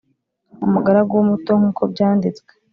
umugaragu w umuto nk uko byanditswe